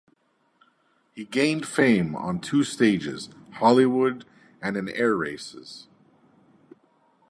He gained fame on two stages: Hollywood and in air races.